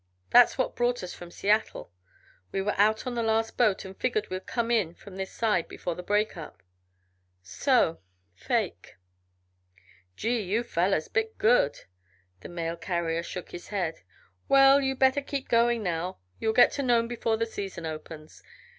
That's what brought us from Seattle. We went out on the last boat and figured we'd come in from this side before the break up. So fake!" "Gee! You fellers bit good." The mail carrier shook his head. "Well! You'd better keep going now; you'll get to Nome before the season opens.